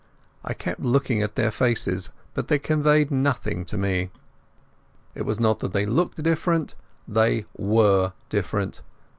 I kept looking at their faces, but they conveyed nothing to me. It was not that they looked different; they were different.